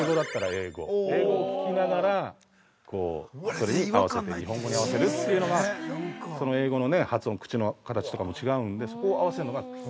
英語を聞きながら、こうそれに合わせて日本語に合わせるというのが、その英語の発音、口の形とかも違うんで、そこを合わせるのが。